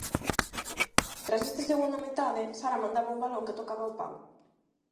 Tras esta segunda metade, Sara mandaba un balón que tocaba o pau.